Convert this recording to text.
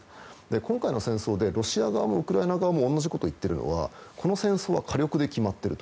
今回の戦争でロシア側もウクライナ側も同じことを言っているのはこの戦争は火力で決まると。